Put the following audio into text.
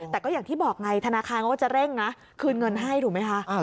แต่ก็อย่างที่บอกไงธนาคารเขาก็จะเร่งนะคืนเงินให้ถูกไหมคะ